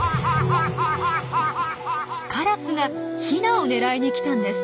カラスがヒナを狙いに来たんです。